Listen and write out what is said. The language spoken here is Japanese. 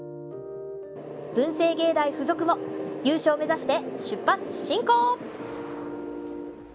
文星芸大付属も優勝目指して出発進行！